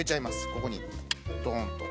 ここにドーンっと。